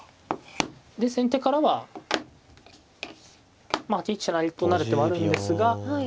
で先手からは８一飛車成と成る手はあるんですが。